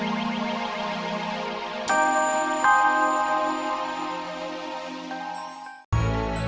ibu saya gak punya siapa siapa di sini